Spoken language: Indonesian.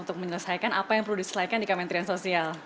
untuk menyelesaikan apa yang perlu diselesaikan di kementerian sosial